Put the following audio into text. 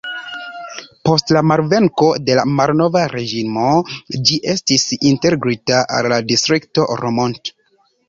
Post la malvenko de la malnova reĝimo ĝi estis integrita al la distrikto Romont.